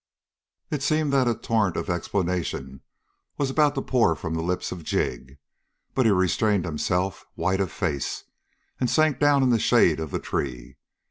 It seemed that a torrent of explanation was about to pour from the lips of Jig, but he restrained himself, white of face, and sank down in the shade of the tree.